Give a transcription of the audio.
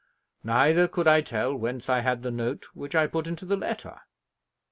Neither could I tell whence I had the note which I put into the letter."